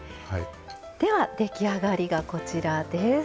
出来上がりが、こちらです。